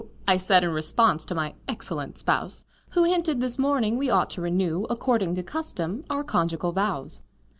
I said in response to my excellent spouse, Who hinted, this morning, we ought to renew According to custom, our conjugal vows.